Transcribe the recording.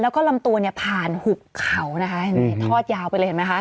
แล้วก็ลำตัวเนี่ยผ่านหุบเขานะคะนี่ทอดยาวไปเลยเห็นไหมคะ